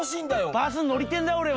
バス乗りてえんだよ俺は。